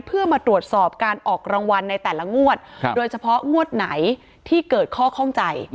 เพื่อมาตรวจสอบการออกรางวัลในแต่ละงวดโดยเฉพาะงวดไหนที่เกิดข้อข้องใจ